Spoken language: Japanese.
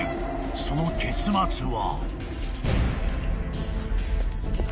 ［その結末は］